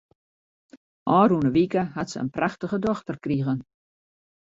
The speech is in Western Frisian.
Ofrûne wike hat se in prachtige dochter krigen.